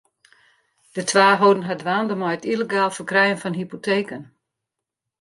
De twa holden har dwaande mei it yllegaal ferkrijen fan hypoteken.